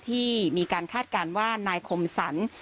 ที่มีการคาดการณ์ว่านายคมสรร